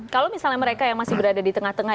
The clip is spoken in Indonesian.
kalau misalnya mereka yang masih berada di tengah tengah